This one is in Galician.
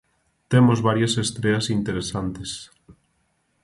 Temos varias estreas interesantes.